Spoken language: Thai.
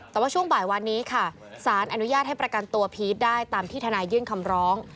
แต่ว่าช่วงบ่ายวันนี้ค่ะสารอนุญาตให้ประกันตัวพีชได้ตามที่ทนายยื่นคำร้อง